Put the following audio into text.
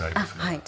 はい。